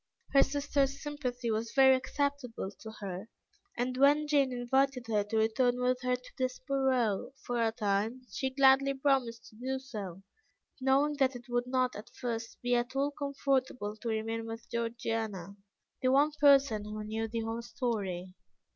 Her sisters' sympathy was very acceptable to her, and when Jane invited her to return with her to Desborough for a time, she gladly promised to do so, knowing that it would not at first be at all comfortable to remain with Georgiana, the one person who knew the whole story.